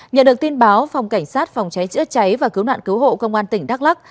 nhận được tin báo phòng cảnh sát phòng cháy chữa cháy và cứu nạn cứu hộ công an tỉnh đắk lắc